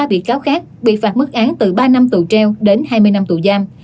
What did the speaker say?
ba bị cáo khác bị phạt mức án từ ba năm tù treo đến hai mươi năm tù giam